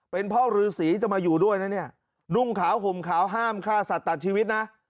เป็นพ่อฤษีจะมาอยู่ด้วยนะเนี่ยนุ่งขาวห่มขาวห้ามฆ่าสัตว์ตัดชีวิตนะ